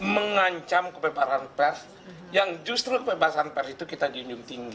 mengancam kebebaran pers yang justru kebebasan pers itu kita junjung tinggi